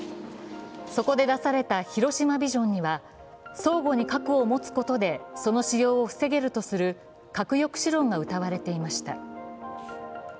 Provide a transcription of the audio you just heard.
そこで出された広島ビジョンには相互に核を持つことでその使用を防げるとする核抑止論がうたわれていました。